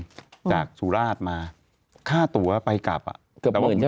อืมจากศุราชมาค่าตัวไปกลับอ่ะเกือบเมื่อเนี้ย